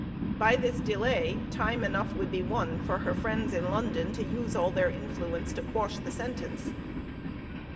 By this delay, time enough would be won for her friends in London to use all their influence to quash the sentence.